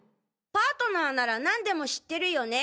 パートナーならなんでも知ってるよね